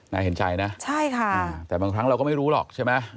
น่าเห็นใจนะใช่ค่ะแต่บางครั้งเราก็ไม่รู้หรอกใช่ไหม